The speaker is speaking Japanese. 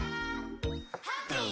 「ハッピー！」